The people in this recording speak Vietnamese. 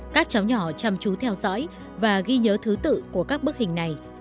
các cháu nhỏ chăm chú theo dõi và ghi nhớ thứ tự của các bức hình này